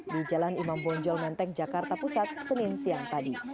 di jalan imam bonjol menteng jakarta pusat senin siang tadi